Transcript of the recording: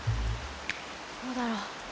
どうだろう。